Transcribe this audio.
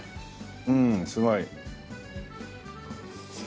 うんすごい！